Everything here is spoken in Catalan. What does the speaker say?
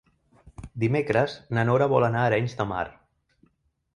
Dimecres na Nora vol anar a Arenys de Mar.